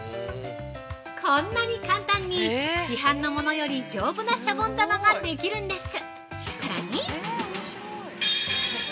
こんなに簡単に市販のより丈夫なシャボン玉ができるんです。